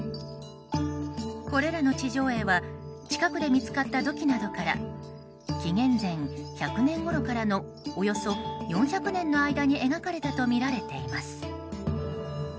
これらの地上絵は近くで見つかった土器などから紀元前１００年ごろからのおよそ４００年の間に描かれたとみられています。